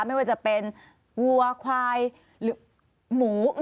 ไม่ว่าจะเป็นวัวควายหรือหมู